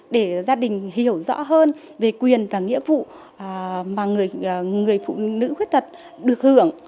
để gia đình hiểu rõ hơn về quyền và nghĩa vụ mà người phụ nữ khuyết tật được hưởng